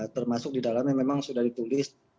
termasuk di dalamnya memang sudah ditulis